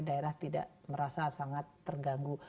daerah tidak merasa sangat terganggu